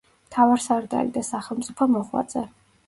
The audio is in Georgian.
მთავარსარდალი და სახელმწიფო მოღვაწე.